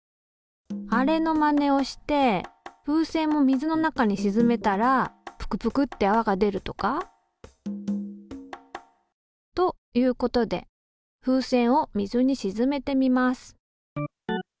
あれのまねをして風船も水の中にしずめたらぷくぷくってあわが出るとか？ということで風船を水にしずめてみます。